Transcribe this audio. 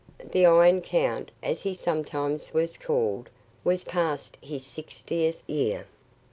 The "Iron Count," as he sometimes was called, was past his sixtieth year.